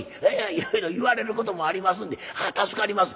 いろいろ言われることもありますんで助かります。